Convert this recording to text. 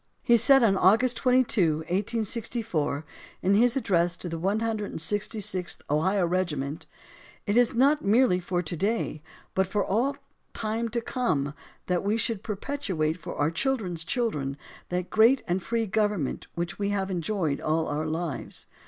He said, on August 22, 1864, in his address to the 166th Ohio Regiment: It is not merely for to day, but for all time to come, that we should perpetuate for our children's children that great and free government which we have enjoyed all our lives.